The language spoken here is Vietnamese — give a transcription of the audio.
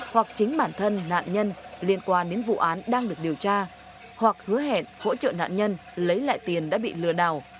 hoặc chính bản thân nạn nhân liên quan đến vụ án đang được điều tra hoặc hứa hẹn hỗ trợ nạn nhân lấy lại tiền đã bị lừa đảo